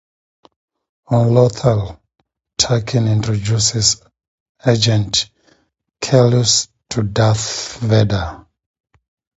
On Lothal, Tarkin introduces Agent Kallus to Darth Vader.